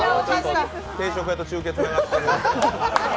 定食屋と中継つながっております